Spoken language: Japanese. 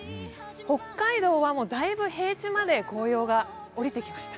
北海道はだいぶ平地まで紅葉が下りてきました。